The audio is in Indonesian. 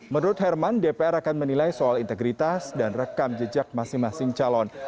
menurut herman dpr akan menilai soal integritas dan rekam jejak masing masing calon